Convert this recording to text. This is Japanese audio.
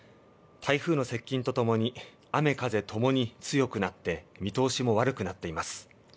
台風の接近とともに雨風ともに強くなって見通しも悪くなっています。